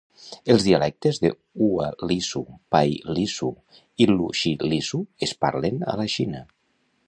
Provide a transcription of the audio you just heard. Els dialectes de Hua Lisu, Pai Lisu i Lu Shi Lisu es parlen a la Xina.